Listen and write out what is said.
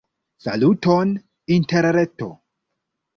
Saluton interreto!